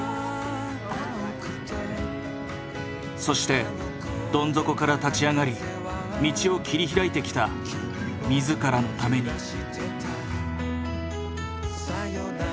そしてどん底から立ち上がり道を切り開いてきた自らのために。